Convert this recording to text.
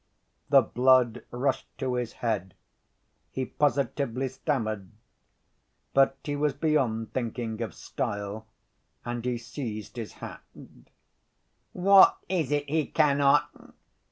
The blood rushed to his head. He positively stammered; but he was beyond thinking of style, and he seized his hat. "What is it he cannot?"